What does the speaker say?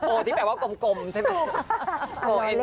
ที่แบบว่ากลมใช่ไหม